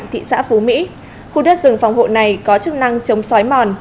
thị xã phú mỹ khu đất rừng phòng hộ này có chức năng chống xói mòn